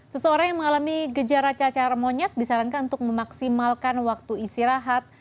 seseorang yang mengalami gejala cacar monyet disarankan untuk memaksimalkan waktu istirahat